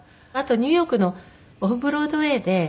あとニューヨークのオフ・ブロードウェーで。